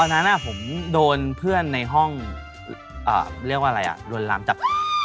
นั้นผมโดนเพื่อนในห้องเรียกว่าอะไรอ่ะลวนลามจับ